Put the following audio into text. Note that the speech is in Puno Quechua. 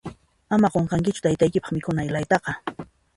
Ama qunqankichu taytaykipaq mikhuna ilaytaqa.